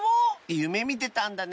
ゆめみてたんだね。